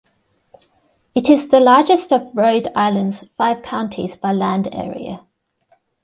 It is the largest of Rhode Island's five counties by land area.